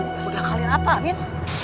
menggakalin apa min